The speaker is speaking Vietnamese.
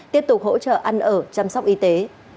tiếp tục hỗ trợ ăn ở chăm sóc y tế